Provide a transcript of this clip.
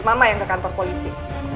mama yang ke kantor polisi